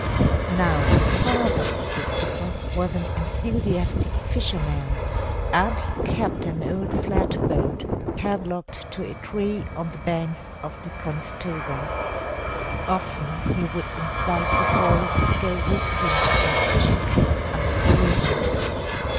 Now the father of Christopher was an enthusiastic fisherman and he kept an old flat boat padlocked to a tree on the banks of the Conestoga. Often he would invite the boys to go with him on fishing trips up the river.